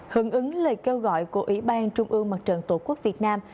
hưởng ứng lời kêu gọi của ủy ban trung ương mặt trận tổ quốc việt nam